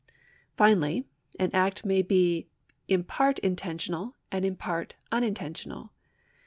Finally an act may be in part intentional and in part unintentional.